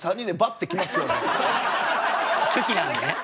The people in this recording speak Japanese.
好きなんでね。